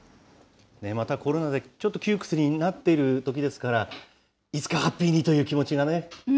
またコロナで、ちょっと窮屈になっているときですから、いつかハッピーにという気持ちがね。